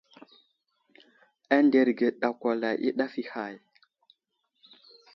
Anderge ɗakwala i ɗaf i hay.